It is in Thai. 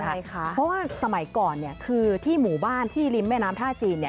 เพราะว่าสมัยก่อนคือที่หมู่บ้านที่ริมแม่น้ำท่าจีน